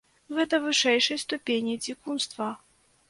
Гэта вышэйшай ступені дзікунства.